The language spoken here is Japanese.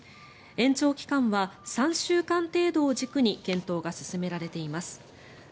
延長期間は３週間程度を軸に検討が進められています。